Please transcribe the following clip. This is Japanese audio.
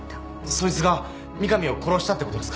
そいつが三上を殺したってことですか？